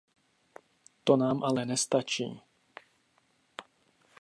To nám ale nestačí.